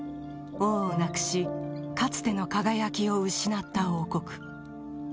［王をなくしかつての輝きを失った王国］